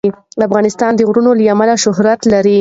افغانستان د غرونه له امله شهرت لري.